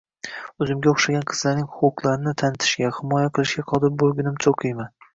O`zimga o`xshagan qizlarning huquqlarini tanitishga, himoya qilishga qodir bo`lgunimcha o`qiyman